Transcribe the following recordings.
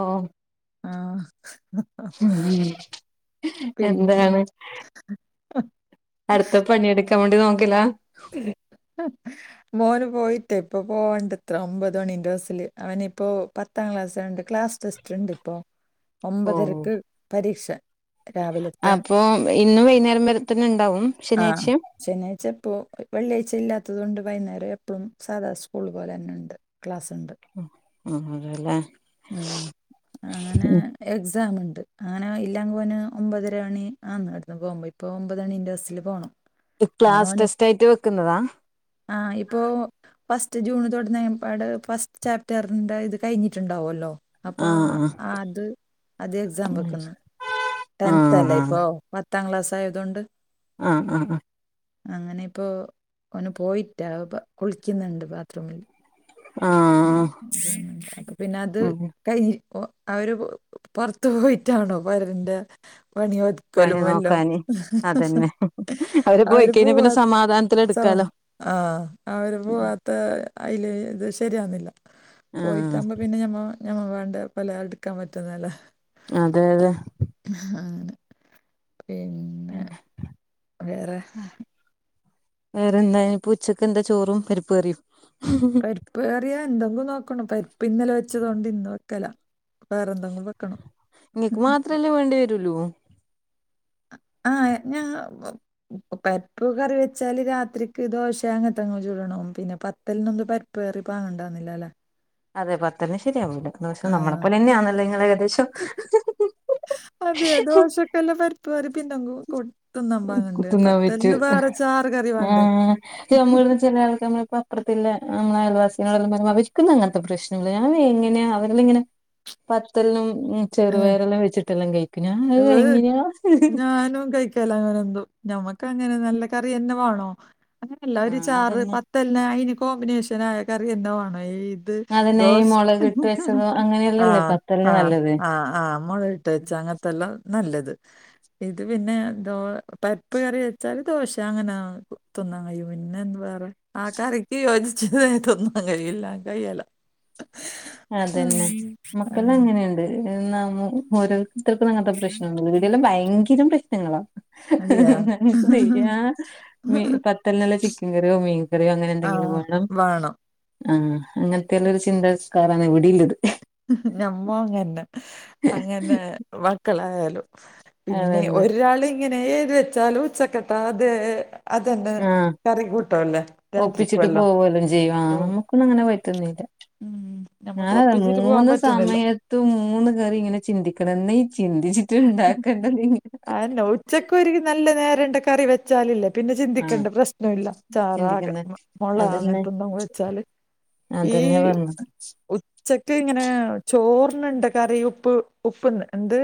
ഓം ആഹ് ഉം പിന്നെ എന്താണ് അടുത്ത പണിയെടുക്കാൻവേണ്ടി നോക്കല ആ മോന് പോയിട്ടേ ഇപ്പൊ പോവണ്ടത്ര ഒമ്പത് മണിന്റെബസ്സില് അവനിപ്പോ പ ത്താം ക്ലാസ്സയോണ്ട് ക്ലാസ്ടെസ്റ്റ് ഉണ്ട്ഇപ്പോ ഓ ഒമ്പതരക്ക് പരീക്ഷ രാവിലത്തെ അപ്പൊ ഇന്ന് വൈന്നേരം വര തന്നെ ഉണ്ടാവും ശനിയാഴ്ച്ചയും ശനിയാഴ്ച്ചപ്പോ വെള്ളിയാഴ്ച്ച ഇല്ലാത്തത് കൊണ്ട് വൈന്നേരം എപ്പഴും സാധാ സ്കൂൾപോലെ തന്നെണ്ട് ക്ലാസ്സുണ്ട് ആഹ് അതേലെ ഉം അങ്ങനെ എക്സാംണ്ട് അങ്ങനെ ഇല്ലാങ് പോന് ഒമ്പതരമണി ആ എന്നടുത്ത് പോകുമ്പോ ഇപ്പോ ഒമ്പതണിന്റെ ബസ്സിൽ പോണം ക്ലാസ് ടെസ്റ്റ് ആയിട്ട് വെക്കുന്നതാ ആഹ് ഇപ്പോ ഫസ്റ്റ് ജൂൺ തുടന്ന് പാട് ഫസ്റ്റ് ചാപ്റ്ററിന്റെ ഇത് കഴിഞ്ഞിട്ടുണ്ടാവുല്ലോ അപ്പൊ ആഹ് ആ അത് അതേ എക്സാംവെക്കുന്നു ടെൻതല്ലേ ആഹ് ഇപ്പോ പത്താം ക്ലാസ് ആയതോണ്ട് അഹ് ആഹ് ആഹ് അങ്ങനെ ഇപ്പോ പോയിട്ടാപ് കുളിക്കുന്നുണ്ട് ബാത്റൂമിൽ ആഹ് പിന്നെ അത് ഉം കയിഞ്ഞ് ഓ അവര് പൊ പൊറത്തുപോയിട്ടാണോ പരരിന്റെ പണിയൊത് പണി കലുമല്ലാം നോക്കാന് അതന്നെ പോയി അവര് കഴിഞ്ഞാ പോവാ പിന്നെ സമാധാനത്തില് സമ എടുക്കാലോ ആഹ് അവര് പോവാ ത്ത് അതില് ഇത് ശരിയാകുന്നില്ല പോയിട്ട് ആഹ് അമ്മ പിന്നെ ഞമ്മളോ ഞമ്മ വേണ്ട് പല എടുക്കാൻ പറ്റുന്നല്ല അതെ അതെ ആണ് പിൻ ഉം വേറെ വേറെ എന്തായി ഇപ്പോ ഉച്ചക്ക് എന്താ ചോറും പരിപ്പ് കറിയും വേറിയാ എന്തങ്ങ് നോക്കണം പരിപ്പ് ഇന്നലെ വെച്ചതോണ്ട് ഇന്ന് വെക്കല വേറെന്തങ്കിലും വെക്കണം മ് മ് ത്രല്ലേ വേണ്ടി വരുല്ലൂ ആഹ് ഞാ വൗ പരിപ്പ് കറി വെച്ചാല് രാത്രിക്ക് ദോശ അങ്ങനത്തെങ്ങ ചുടണം പിന്നെപത്തൽനൊന്ന് പ പ്പാറി പാണ്ടന്നില്ലാല്ലെ അതെ പത്തൽന് ശരിയാവൂല പക്ഷെ ആ നമ്മളെപ്പോലെ തന്നെയാണല്ലേ നിങ്ങൾ ഏകദേശം അതെ അതെ ദോശകല്ല് പര് പരിപ്പിൻ്റെ തങ്കു കൊടുത്തുന്നമ്പാങ്ങണ്ട് തിന്നാൻ പത്തൽന് വേറെ ചാറ് കറി വേണ്ടേ ഞമ്മുള് ചില ആൾക്കള്ടെ ഇപ്പൊ അപ്പോ പിന്നെ നമ്മള് അയൽവാസികള് അപ്പ്റത്തുള്ള ഞങ്ങെളെ അയൽവാസി അവർക്കെന്നും ഇങ്ങനത്തെ പ്രശ്നങ്ങള്ല്യ ഞങ്ങള് എങ്ങനെയാ അവരില് ഇങ്ങനെ പത്തൽനും ഏ, ചെറുപയറിനും വെച്ചിട്ടെല്ലാം കഴിക്കുന്ന് അഹ് എങ്ങനെയാ [unintelligible] ങ്ങനെ എന്തോ ഞമ്മക്ക് അങ്ങനെ നല്ല കറിം അന്നെ വാണോ, അങ്ങനെയല്ല ഒരു ആഹ് ചാറ് അതന്നെ പത്ത് തല്ലാ അയിന് കോമ്പിനേഷൻ ആയ കറി തന്നെ വേണോയി ത് അതന്നെ ഈ ദോസ് മുളക് ത്ത് ദ് ഇട്ട് വേണം വെച്ചതോ അങ്ങനെയല്ലല്ലേ ആഹ് പത്തലിന് ആഹ് നല്ലത് ആഹ് ആഹ് മുളക് ഇട്ട് വെച്ച അങ്ങനത്തെല്ലാം നല്ലത് ഇത് പിന്നെ ന്തോ പരിപ്പ് കറി വെച്ചാല് ദോശ അങ്ങനാക്കും തിന്നാൻ കയ്യും പിന്നെ എന്താവേറെ ആഹ് കറിക്ക് യോജിച്ചത് വേ തിന്നാൻ കഴില്ലാ കയിലാ അതെന്നേ ആ, മക്കള് എങ്ങനെയിണ്ട്? ഇത് നമ്മു [unintelligible] അങ്ങനത്തെ പ്രശ്നങ്ങളെന്നും ഇല്ല ഇവിടെയെല്ലാം ഭയങ്കരം പ്രശ്നങ്ങളാ അതെയാ [unintelligible] നല്ല നല്ല ചിക്കൻ കറിയോ മീൻ കറിയോ അങ്ങനെ ആ എന്തെങ്കിലും വേണം ആഹ് അങ്ങൻത്തെല്ലൊരു ചിന്താത്ക്കാരാന് ഇവിടിള്ളത്. ഞമ്മോയങ്ങന്നെ അങ്ങെന്നെ മക്കളായാലും പിന്നെ അതന്നെ ഒരാളിങ്ങെനെ എഴുതി വെച്ചാലു ഉച്ചക്കത്താതെ അതന്ന് ആഹ് കറി കൂട്ടോവല്ലേ. രാത്രിക്കൊല്ലോ. ജൈവാനമ്മുക്കൊന്നും അങ്ങനെ പറ്റുന്നില്ല. ഉം നമുക്ക് ഞാനതാ ഒപ്പിച്ചിട്ട് പോവാൻ മൂന്ന് പറ്റുന്നില്ല സമയെ ത്തും മൂന്ന് കെറിയിങ്ങനെ ചിന്തിക്കണെന്നെ. എന്ന ചിന്തിച്ചിട്ട് ഇണ്ടാക്കേണ്ടതെങ്ങനാ. അഹെന്നേ, ഉച്ചക്ക് ഒരുനെല്ല നേരം ഇണ്ട് കറി വെച്ചാ ച്ചാലില്ലേ പിന്നെ ആഹ് ചിന്തിക്കേണ്ട പ്രശ്നം ഇല്ല. ചാറാ ക ചിന്തിക്കണ്ടേ മൊളോ അങ്ങനത്തെന്നും വെച്ചാല് ഈ അതെന്നെ പറഞ്ഞത്. ഉച്ചക്ക് ഇങ്ങനെ ചോർനുണ്ട് കറിയുപ്പ് ഉപ്പ് ഉപ്പ്ന്ന് എന്ത്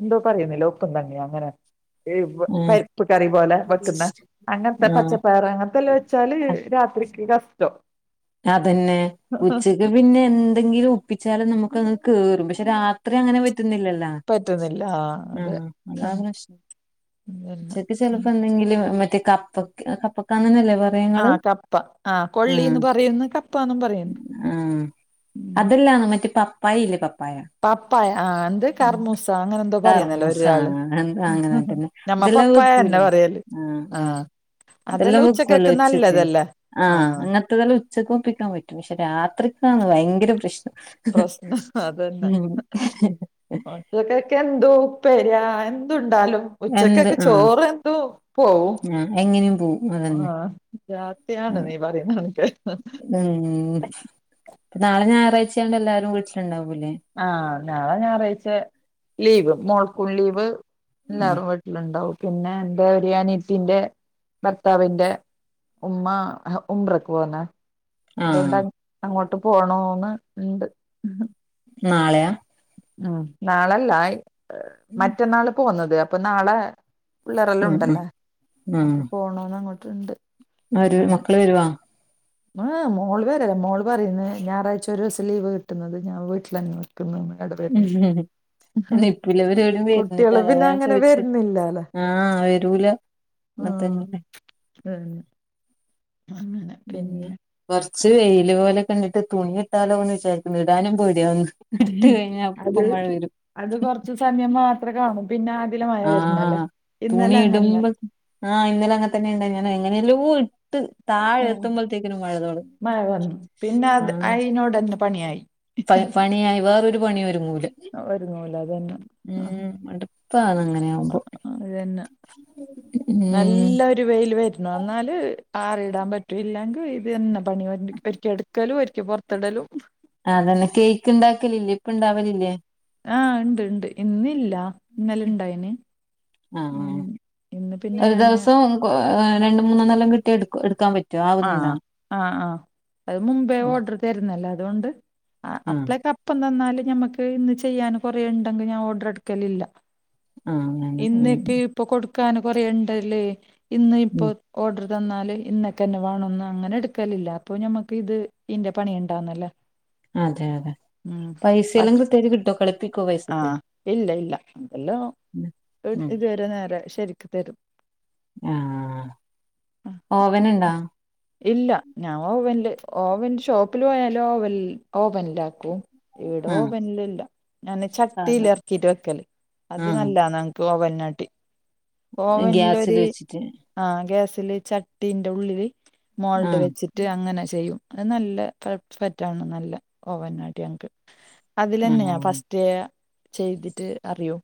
എന്തോ പറയുന്നില്ലേ ഒപ്പുകഞ്ഞിയോ അങ്ങനെ, ഏഹ് ആഹ് പരിപ്പ് കറിപോലെ വെക്കുന്ന അങ്ങന്ത്തേ ആഹ് പച്ചപ്പയറ് അങ്ങനത്തെല്ലാം വെച്ചാല് രാത്രിക്ക് കസ്തം. അതന്നേ, ഉച്ചക്ക് പിന്നെ എൻ ന്തെങ്കിലും ഒപ്പിച്ചാലും നമ്മുക്കങ്ങ് കേറും. പക്ഷെ രാത്രി അങ്ങനെ പറ്റുന്നില്ലല്ലോ. പറ്റുന്നില്ല ആ അതെ ആഹ് അതാണ് പ്രശ്നം. പിന്നെ ഇൻക്ക് ചെലെപ്പ എന്തെങ്കിലും മറ്റേ കപ്പക്ക് കപ്പക്കാന്നെല്ലേ പറ ആഹ് കപ്പ. ആഹ് കൊള്ളീന്ന് പറയുന്നു കപ്പാന്നും പറയ്ന്ന്. ആഹ്, അതല്ലാ മറ്റേ പപ്പായ ഇല്ലേ പപ്പായ. പപ്പായ ആ എന്ത് കർമൂസ. അങ്ങനെ എന്തോ പറയുന്നല്ലോ കർമൂസ ഒരാള് എന്താ അങ്ങനെ തന്നെ ഞമ്മ അതെല്ലാം പപ്പായന്നേ വെക്കൂലേ പറയല്, ആഹ് അതെല്ലൊ അതെല്ലാം ഉച്ചക്കക്ക് നല്ലതല്ലേ, ആഹ്. അത് നല്ലേ ഉച്ചക്ക് ഒപ്പിക്കാൻ പറ്റും. പക്ഷെ രാത്രിക്കാന്ന് ഭയങ്കര പ്രശ്നം. പ്രസ്നം അതന്നേ. ഉം മക്കക്കേഎന്തോ ഉപ്പേരിയാ എന്തുണ്ടാലും. എന്ത് ഉച്ചക്കെക്ക് ആഹ് ചോറ് എന്തുപോവും. [unintelligible] ആഹ് രാതിയാണ് നീ പറയുന്നെതെ. [unintelligible] ഉം നാളെ ഞായറാഴ്ച്ചയോണ്ട് എല്ലാരും വീട്ടില്ണ്ടാവൂല്ലേ? ആഹ് നാളെ ഞായറാഴ്ച്ച ലീവ്. മോൾക്കും ലീവ്. ഉം എല്ലാറും വീട്ടില്ണ്ടാവും പിന്നെ എന്റെ ഒരനിയത്തീന്റെ ഭർത്താവിന്റെ ഉമ്മാ ഉംറക്ക് പോവുന്നേ അതൊണ്ട് ആഹ് അങ്ങോട്ട് പോണോന്ന് ഇണ്ട്. നാളെയാ? ഉം നാളെല്ലാ ഹ് ഉം മറ്റെന്നാള് പോവുന്നത്. അപ്പോ നാളെ പിള്ളേരൊല്ലോം ഉം ഉണ്ടല്ലോ. അപ്പൊ പോണോന്ന് അങ്ങോട്ടുണ്ട്. ആര് അങ്ങനെ മക്കള് വെരുവോ? ആഹ് മോൾ വെര്ല. മോള് പറയുന്നേ ഞാറാഴ്ച ഒരു ദിവ്സം ലീവ് കിട്ടുന്നത് ഞാൻ വീട്ടില് നിന്നോളു. ക്ക് ന്ന് ആൻഡ് വെർണില്ല. എന്ന ഇപ്പുള്ളവരെഴും വെരുന്നില്ല. കുട്ടികള് അല്ലാ പിന്നെ ഞാൻ അങ്ങനെ ചോയ്ച്ചേ. വരുന്നില്ലാലോ ആഹ് വെരൂല. ന്നതന്നെ ഉം അങ്ങനെ പിന്നെ ഉം. കൊറെച്ച് വെയിയില് പോലെ കണ്ടിട്ട് തുണിയിട്ടാലോന്ന് വിചാരിക്കുന്നു. ഇടാനും പേടിയാവുന്നു. ഇട്ടു കഴിഞ്ഞാ അത് അപ്പം മഴ വെരും. അത് കൊറച്ച് സമയം മാത്രേ കാണൂ. പിന്നെ അതില മഴ വെരുന്നല്ലോ. ആഹ് ഇന്നലെ തുണി അങ്ങനെ. ഇടുമ്പോ ആഹ് ഇന്നലെയങ്ങ തന്നെ ഉണ്ടായ്. ഞാൻ എങ്ങനെല്ലോട്ട്. ആഹ് മഴ വന്നു. പിന്നെ അത് അയിനോടൊന്ന് പണിയായി. പയ് പണിയായി. വേറൊരു പണിയു ഒരുങ്ങൂല. ഒരുങ്ങൂല അതന്നെ ഉം അടുപ്പാന്നങ്ങനെ ആമ്പോ. അതന്നെ മ്മ് വൈൽ വരണം എന്നാല് ആറിടാൻ പറ്റല്ലങ്കിൽ ഇതെന്നെ പണി വരിണ്ട് ഒരിക്കെ ഇടുക്കലും ഒരിക്ക് പുറത്തിടലും ആഹ് അതന്നെ കേക്ക് ഇണ്ടാക്കലില്ലേ ഇപ്പ ഇണ്ടാവലില്ലേ? ആഹ് ഇണ്ട് ഇണ്ട് ഇന്നില്ല ഇന്നലെ ഇണ്ടായിന് ഉം ആഹ് ഇന്ന് പിന്നെ ഞാന് രണ്ടണ്ട് മൂന്നണ്ണ എല്ലാം കിട്ടിയത് എ എടുക്കാൻ പറ്റും ആഹ്ആഹ് ആഹ്അത് മുമ്പേ ഓർഡർ തരുന്നല്ലേ അതുകൊണ്ട് ആഹ് അപ്പളക്കെ ഇപ്പം തന്നാല് ഞമ്മക്ക് ഇന്ന് ചെയ്യാൻ കൊറെ ഇണ്ടങ്കി ഞാൻ ഓർഡർ എടുക്കലില്ല ആഹ് അങ്ങനെ ഉം ഇന്നൊക്കെ ഇപ്പൊ കൊടുക്കാൻ കൊറെ ഇണ്ട്ല്ലേ ഇന്ന് ഇപ്പൊ ഉം ഓർഡർ തന്നാല് ഇന്നൊക്ക ക്കെന്നെ വേണന്ന് അങ്ങനെ എടുക്കലില്ല അപ്പൊ ഞമ്മക്ക് ഇത് ഇന്റെ പണി ഇണ്ടാവുന്നല്ലേ ആഹ് അതെ അതെ പൈസ എല്ലാം കൃത്യായിട്ട് കിട്ടോ കളിപ്പിക്കൂ പൈസക്ക് ആഹ് ഇല്ല ഇല്ല അതെല്ലാം ഇതുവരെ നേര ശരിക്ക് തരും ആ. ആഹ്ഓവൻ ഇണ്ടോ? ഇല്ല ഞാൻ ഓവനില് ഓവൻ ഷോപ്പിൽ പോയാൽ ഓവൻ ഓവൻലാക്കും എവിടോ ആഹ് പനിലല്ല ഞാന് സാധ ചട്ടിൽ ഇറക്കിട്ട് വെക്കല് അത് ആഹ് നല്ല ഓവനാട്ടി ഗ്യാസിൽ ഓവനിലൊര് വെച്ചിട്ട് ആഹ്ഗ്യാസില് ചട്ടീന്റെ ഉള്ളില് മോൾഡ് ആഹ് വെച്ചിട്ട് മറ്റ് അങ്ങനെ ചെയ്യും അത് നല്ല പെറ്റാണ് നല്ല ഓവനാട്ടി ഞങ്ങക്ക് അതിലന്നെ ആഹ് ഫസ്റ്റ് ചെയ്തിട്ട് അറിയൂ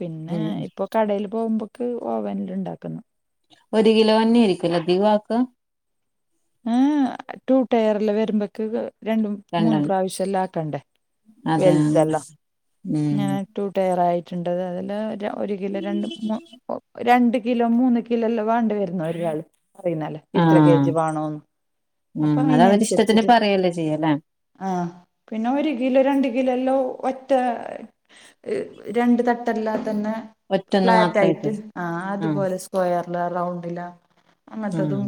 പിന്നെ ഉം ഇപ്പൊ കടൽ പോകുമ്പോക്ക് ഓവൻൽ ഇണ്ടാക്കുന്നു ഒരു കിലോ വന്നി ആയിരിക്കല്ലോ അധികാക്ക് ഏഹ് ടു ടയർല് വരുമ്പോക്ക രണ്ടും മൂന്ന രണ്ടെണ്ണം പ്രാവശ്യം എല്ലാം ആക്കണ്ടേ അതെ അങ്ങനെ വലുതെല്ലാം ഇങ്ങനെ ഉം ടു ടയർ ആയിട്ടുണ്ടത് അതില് ഒരു കില ര രണ്ട് മു രണ്ട് കിലോ മൂന്ന് കിലോല്ലാം വേണ്ടിവരുന്ന ഒരാൾ പറയുന്നല്ലോ ഇത്ര ആഹ് കെജി അപ്പ ഉം അതവരിഷ്ടത്തിന് അതിനൻസരിച്ചിട്ട് പറയല്ലേ ചെയ്യല്ലേ ആഹ് പിന്നെ ഒരു കിലോ രണ്ട കിലോല്ലോ ഒറ്റ രണ്ട് തട്ടല്ലാ തന്നെ ഒറ്റൊന്ന് മാത്രായിട്ട് ഫ്ലാറ്റായിറ്റ് ആഹ് അതുപോലെ സ്ക്വയറില റൗണ്ടില അങ്ങനത്തതും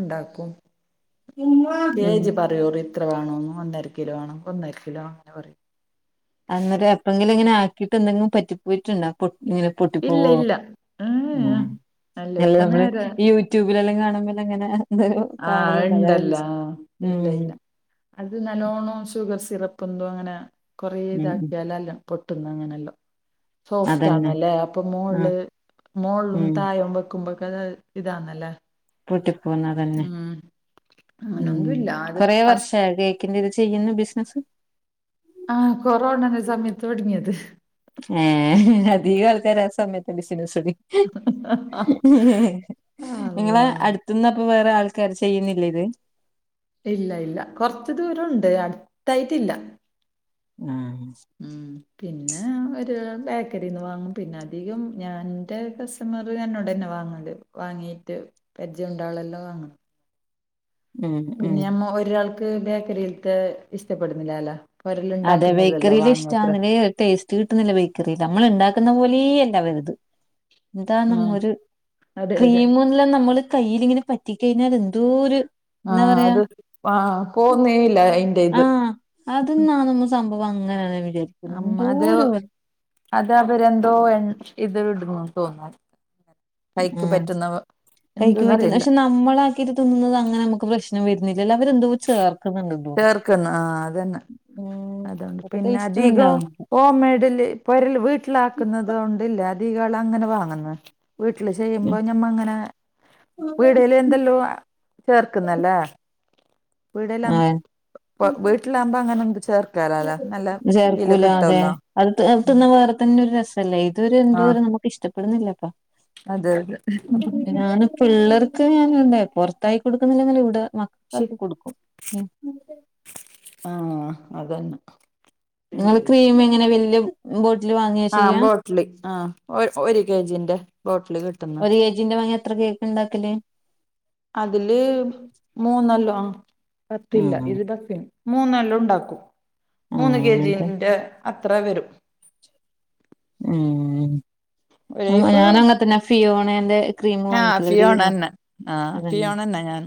ഇണ്ടാക്കും ഇമ്മ കെ ജി പറയൂ ഇത്ര വേണന്ന് ഒന്നര കിലോ വേണം ഒന്നര കിലോ അങ്ങനെ പറൂ അന്നേറം എപ്പഴെങ്കിലും ഇങ്ങനെക്കിയിട്ട് എന്തെങ്കും പറ്റി പോയിട്ടുണ്ടാ പൊട്ട് ഇങ്ങനെ പൊട്ടി ഇല്ല പോവോ ഇല്ല ഏഹ് അല്ല എല്ലാം ഇപ്പൊ നമ്മള് നേരെ ഈ യൂറ്റോ യട്യൂബിലെല്ലാം കാണുമലങ്ങനെ എന്ത ആഹ് കാണലുണ്ട് അതായത് ഇണ്ടല്ല ആഹ് ഉം ഇല്ല ഇല്ല അത് നല്ലോണം ഷുഗർ സിറപ്പ് എന്തോ അങ്ങനെ കൊറേ ഉം ഉം ഇതാക്കിയാലല്ല പൊട്ടുന്ന അങ്ങനെല്ല സോഫ്റ്റ് അതന്നെ ആണല്ലേ അപ്പൊ ആഹ് മോള് മോളും ഉം തായം വെക്കുമ്പോ ഇപ്പത് ഇതാന്നല്ലേ? പൂട്ടിപ്പോന്നതന്നെ ഉം അങ്ങനൊന്നും ഉം ഇല്ല അത് കൊറേ ഫസ് വർഷായോ കേ ക്കിന്നെത് ചെയ്യുന്ന ബിസിനസ് ആഹ്കൊറോണ ന്റെ സമയത്ത്ടങ്ങിയത് ഉം അതീഗ അൾതാര സമയത്ത് ബസിന സുടി നിങ്ങള അള്ളാ അടുത്തന്നപ്പ വേറെ ആൾക്കാര് ചെയ്യുന്നില്ലേ ഇത് ഇല്ല ഇല്ല കൊറച്ച് ദൂരണ്ട് അടുത്തായിട്ടില്ല ആഹ് ഉം പിന്നെ ഒരു ബേക്കറിന്ന് വാങ്ങും പിന്നെ അധികം ഞാൻ ഇന്റെ കസി കസ്റ്റമർ ഞാൻ ഉടന്നെ വാങ്ങത് വാങ്ങീട്ട് പരിചയംണ്ടാവളെല്ലാം വാങ്ങണം ഉം ഉം പിന്നെ മ്മ ഒരാൾക്ക് ബേക്കറിൽത്തെ ഇഷ്ടപ്പെടുന്നില്ലാലോ അതെ ബേക്കറിയിൽ ഇഷ്ടവുന്നില്ല ടേസ്റ്റ് കിട്ടുന്നില്ല ബേക്കറിൽ നമ്മൾ ഉണ്ടാക്കുന്ന പോലേ അല്ല അവര്ത് എന്താ ആ നമ്മ ഒരു അതെ അതെ ക്രീമല്ലാം നമ്മള് കയ്യില്ങ്ങനെ പറ്റിക്കയിഞ്ഞാൽ എന്തോര് ആഹ് അത് പാ പോന്നേല്ല അയ്ന്റെ ഇത് അതൊന്നാണ് മ്മ സംഭവം അങ്ങനെ [unintelligible] അമ്മതോ അത് അവരൻന്തോ ഇത് ഇടുന്നു തോന്നു കൈക്ക് പറ്റുന്നവ എന്ത്‌ന്ന് അറിയില്ല നമ്മളാക്കിട്ട് തിന്നുന്നത് അങ്ങനെ നമ്മക്ക് പ്രശനം വരുന്നില്ല എല്ല അവരെന്തോ ചേർ ചേർക്കുന്നു ആഹ് അതന്നെ ഉം അതൊണ്ട് ഒരു പിന്നെ ടേസ്റ്റും അധികം ഉണ്ടാവും ഹോം മെയ്ഡില് പൊരൽ വീട്ടിലാക്കുന്നുന്നത് കൊണ്ടില്ല അദികാള് അങ്ങനെ വാങ്ങുന്ന വീട്ടില് ചെയ്യുമ്പോ ഞമ്മ അങ്ങനെ വീടൽ എന്തെല്ലോ ചേർക്കുന്നല്ലേ വീടില ആഹ് വീട്ടിലാകുമ്പോ അങ്ങനെ എ ചേർ ചേർക്കൂല അതെ അത് ഉം തിന്ന വേറെ തന്നെ ഒരു രസല്ലേ ഇതൊരു എന്തോരു നമുക്ക് ഇഷ്ടപ്പെടുന്നില്ലപ്പ അതെ അതെ ഞാൻ പിള്ളേർ ക്ക്‌ ഞനുണ്ടേ പൊറത്തായി കൊടുക്കുന്നില്ലെങ്കും ഇവിടെ ശ് മക്കൾക് കൊടുക്കും ആഹ് അതന്ന നിങ്ങ്ങള് ക്രീം എങ്ങനെ വല്യ ബോട്ടിൽ വാങ്ങ ആഹ് ബോട്ടിലി ആഹ് ഒരു കെജിന്റെ ബോട്ടിലി കിട്ടുന്നു ജിന്റെ വാങ്ങിയ എത്ര കേക്ക് ണ്ടാക്കല് അതില് മൂന്നല്ലോ ആഹ് പറ്റില്ല ആഹ് ഇരുതപ്യാണ് മൂന്നെല്ലു ഉണ്ടാക്കും മൂന്ന് ആഹ് കെ അങ്ങനത്തെ ജീന്റെ അത്ര വരും ഏഹ് പോ ഒരേക്ക് ഞാന് അങ്ങൻതന്നെ ഫിയോണേന്റെ ക്രീം ആഹ് വാങ്ങിക്കു ഒരു കിലോൻ ഫിയോണന്നെ ആഹ് ഫിയോണന്നാ ഞാൻ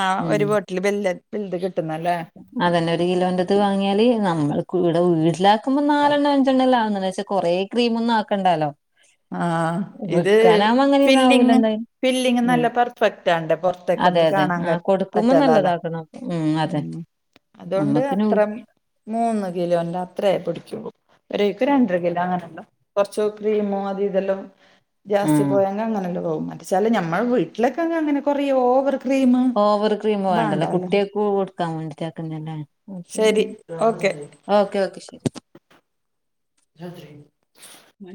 ആഹ് ഉം ഒരു ബോട്ടില് വല്യ വലുത് കിട്ടുന്നല്ലേ അതന്നെ ഒരു കിലോന്റത് വാങ്ങിയാല് നമ്മൾ ഇവിടെ വീട്ടിലാക്കുമ്പോ നാലെണ്ണം അഞ്ചെണ്ണംല്ല അങ്ങനെചാ കൊറെേ ക്രീമ ഒന്നും ആക്കണ്ടാലോ ആഹ് ഇത് വിക്കാനാഉമ്പ അങ്ങനെ ഒന്നാവൂല ഫില്ലിങ് എന്തായാലും ഫില്ലിങ് ഉം നല്ല പെർഫെക്റ്റ് ആണ്ട് അതെ പുറത്തേക്കൊന്നും അതെ കാണാൻ ആഹ് കൊടുക്കുമ്പോ പറ്റലാല നല്ലതാക്കണം ഉം അതെ അതൊണ്ട് നമ്മക്കിന് അത്ര മൂന്ന് കിലോന്റെ അത്രയേ പിടിക്കുള്ളൂ ഒരേക്ക് രണ്ടര കിലോ ആണല്ലോ കുറച്ച് ക്രീമോ അ തിതല്ലോ ജാസ്തി ആഹ് പോയാങ്ങനെല്ലാം [unintelligible] ച്ചാല് ഞമ്മളെ വീട്ടിലൊക്കെ അങ്ങനെ കൊറേ ഓവർ ക്രീം ഓവർ ക്രീം വേണ്ടല്ലോ ബാണ്ടല്ലോ കുട്ടിയേക് പൂ കൊടുക്കാൻ വേണ്ടിട്ടാക്കുന്നല്ലേ ശരി ഓക്കെ ഓക്കേ ഓക്കെ ശരി അതെ